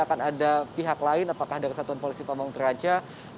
ada pihak lain apakah dari satuan polisi pembangunan perancang